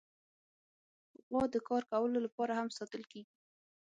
غوا د کار کولو لپاره هم ساتل کېږي.